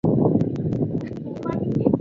与之相对的概念是物知觉。